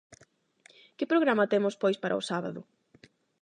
Que programa temos pois para o sábado?